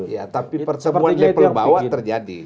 ya tapi pertemuan level bawah terjadi